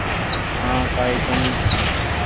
هآنٚ ڪآئي ڪونيٚ